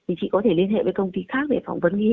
thì chị có thể liên hệ với công ty khác